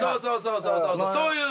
そうそうそういううん。